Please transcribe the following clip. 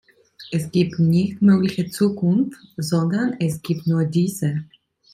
Es gibt nicht mögliche Zukunft, sondern es gibt nur diese!